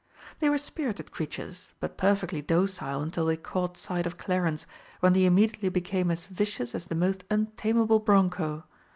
They were spirited creatures, but perfectly docile until they caught sight of Clarence, when they immediately became as vicious as the most untameable bronco.